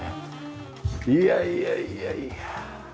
いやいやいやいや。